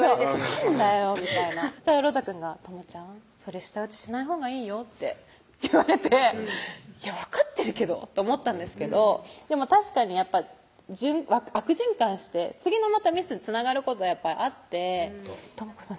なんだよみたいなロタくんが「倫ちゃんそれ舌打ちしないほうがいいよ」って言われていや分かってるけどと思ったんですけどでも確かにやっぱ悪循環して次のミスにつながることやっぱりあって「倫子さん